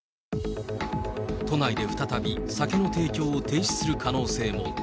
都内で再び酒の提供を停止する可能性も。